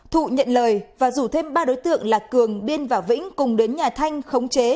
thụ nhận lời và rủ thêm ba đối tượng là cường biên và vĩnh cùng đến nhà thanh khống chế